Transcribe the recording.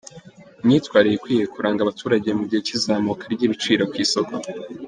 Imyitwarire ikwiye kuranga abaturage mu gihe cy’izamuka ry’ibiciro ku isoko .